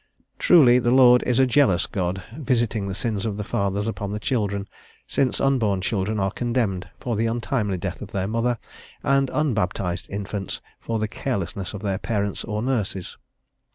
Truly, the Lord is a jealous God, visiting the sins of the fathers upon the children, since unborn children are condemned for the untimely death of their mother, and unbaptized infants for the carelessness of their parents or nurses.